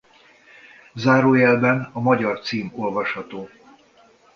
Zárójelben a magyar cím olvasható